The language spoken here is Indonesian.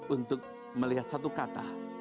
untuk melihat satu kata